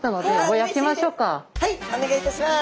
はいお願いいたします。